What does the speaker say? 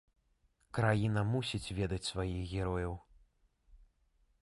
Краіна мусіць ведаць сваіх герояў!